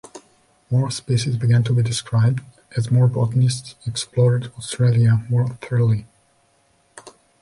More species began to be described as more botanists explored Australia more thoroughly.